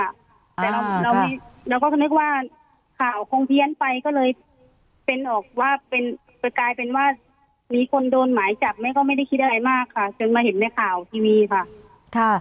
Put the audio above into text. แต่เราก็นึกว่าข่าวคงเพี้ยนไปก็เลยเป็นออกว่าเป็นกลายเป็นว่ามีคนโดนหมายจับแม่ก็ไม่ได้คิดอะไรมากค่ะจนมาเห็นในข่าวทีวีค่ะ